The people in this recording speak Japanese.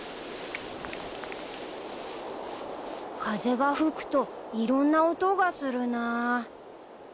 風が吹くといろんな音がするなぁ。